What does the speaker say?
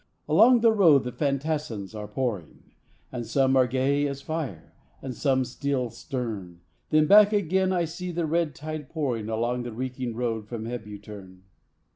Along the road the "fantassins" are pouring, And some are gay as fire, and some steel stern. ... Then back again I see the red tide pouring, Along the reeking road from Hebuterne.